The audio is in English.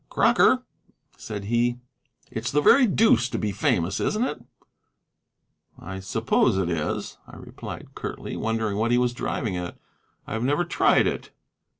"Crocker," said he, "it's the very deuce to be famous, isn't it?" "I suppose it is," I replied curtly, wondering what he was driving at; "I have never tried it."